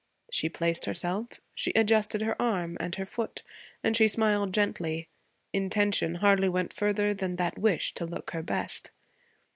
She placed herself, she adjusted her arm and her foot, and she smiled gently; intention hardly went further than that wish to look her best.